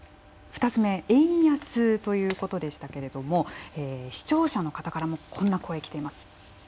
円安ということでしたけれども視聴者の方からもこんな声来ています。